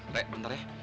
rek bentar ya